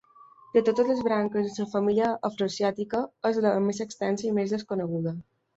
De totes les branques de la família afroasiàtica és la més extensa i més desconeguda.